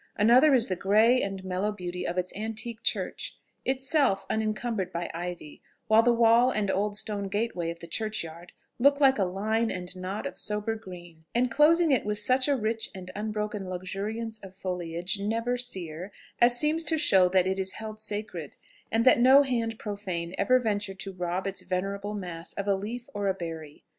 Another is the grey and mellow beauty of its antique church, itself unencumbered by ivy, while the wall and old stone gateway of the churchyard look like a line and knot of sober green, enclosing it with such a rich and unbroken luxuriance of foliage "never sear," as seems to show that it is held sacred, and that no hand profane ever ventured to rob its venerable mass of a leaf or a berry.